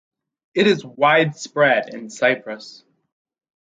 It is widespread in Cyprus.